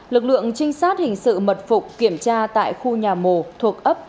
lực lượng trinh sát hình sự mật phục kiểm tra tại khu nhà mồ thuộc ấp